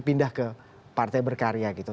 pindah ke partai berkarya gitu